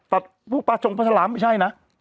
ตัดภูปชงพระธรรมไม่ใช่นะ